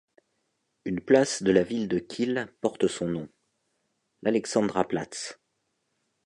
Une place de la ville de Kiel porte son nom, l'Alexandraplatz.